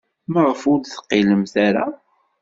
Maɣef ur d-teqqilemt ara?